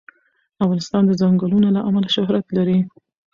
افغانستان د ځنګلونه له امله شهرت لري.